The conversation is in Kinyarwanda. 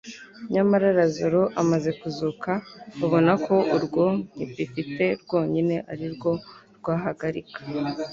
Nyamara Lazaro amaze kuzuka babona ko urwo ntpfit rwonyine ari rwo rwahagarika